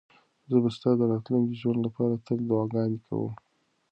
زه به ستا د راتلونکي ژوند لپاره تل دعاګانې کوم.